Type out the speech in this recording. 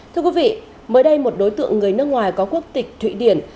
thưa quý vị mới đây một đối tượng người nước ngoài có quốc tịch thụy điển